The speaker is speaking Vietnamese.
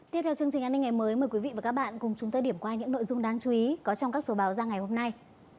tiếp theo chương trình an ninh ngày mới mời quý vị và các bạn cùng chúng tôi điểm qua những nội dung đáng chú ý có trong các số báo ra ngày hôm nay